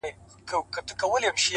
خپـله گرانـه مړه مي په وجود كي ده؛